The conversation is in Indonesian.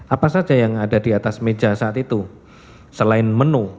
apa saja yang ada di atas meja saat itu selain menu